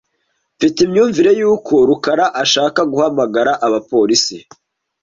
Mfite imyumvire yuko rukara ashaka guhamagara abapolisi .